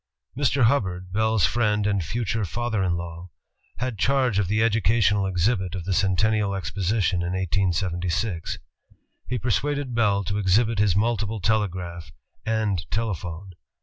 Mr. Hubbard, BelFs friend and future father in law, had charge of the educational exhibit of the Centennial Exposition, in 1876. He persuaded Bell to exhibit his multiple telegraph and telephone.